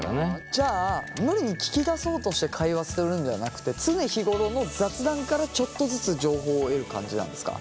じゃあ無理に聞き出そうとして会話するんじゃなくて常日頃の雑談からちょっとずつ情報を得る感じなんですか？